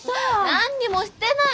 何にもしてないよ！